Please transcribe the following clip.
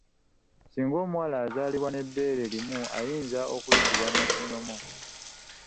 Singa omuwala azaalibwa n’ebbeere limu ayinza okuyitibwa Nakinyomo.